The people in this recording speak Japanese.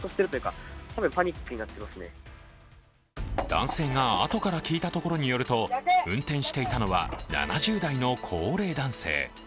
男性があとから聞いたところによると、運転していたのは７０代の高齢男性。